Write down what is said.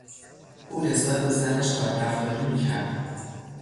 او نسبت به زنش بدرفتاری میکرد.